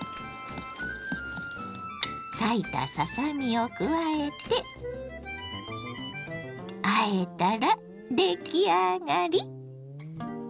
裂いたささ身を加えてあえたら出来上がり！